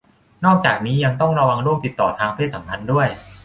นอกจากนี้ยังต้องระวังโรคติดต่อทางเพศสัมพันธ์ด้วย